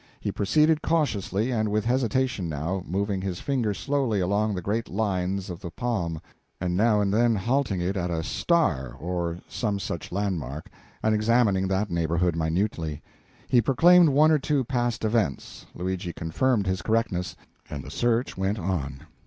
He proceeded cautiously and with hesitation, now, moving his finger slowly along the great lines of the palm, and now and then halting it at a "star" or some such landmark, and examining that neighborhood minutely. He proclaimed one or two past events, Luigi confirmed his correctness, and the search went on.